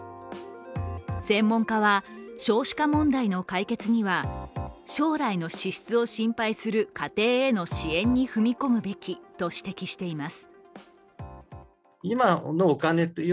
専門家は、少子化問題の解決には将来の支出を心配する家庭への支援に踏み込むべきと指摘しています。